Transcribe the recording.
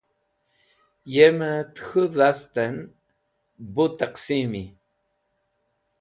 Yem-e tẽ k̃hũ dhast en bu taqsimi.